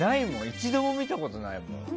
一度も見たことないもん。